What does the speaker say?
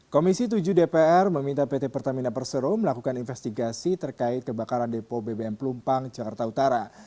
komisi tujuh dpr meminta pt pertamina persero melakukan investigasi terkait kebakaran depo bbm pelumpang jakarta utara